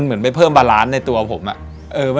เหมือนไปเพิ่มบาลานซ์ในตัวผมอะ